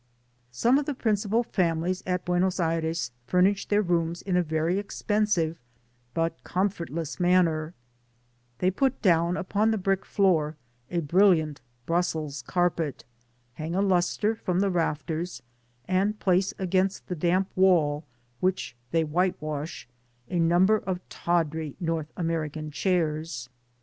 Some of the prindpal families at Buenos Aires furnish their rocnng in a very expensive, but com fortless manner; they put down upon the brick floor a brilliant Brussels carpet, hang a lustre from the rafters, and place agmnst the damp wall, which they whitewash, a number of tawdry North Ame rican chairs.